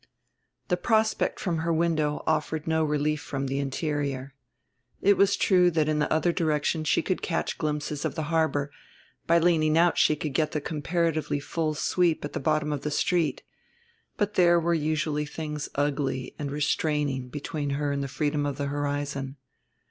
The prospect from her window offered no relief from the interior; it was true that in the other direction she could catch glimpses of the harbor, by leaning out she could get the comparatively full sweep at the bottom of the street; but there were usually things ugly and restraining between her and the freedom of the horizon.